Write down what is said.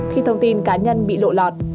khi thông tin cá nhân bị lộ lọt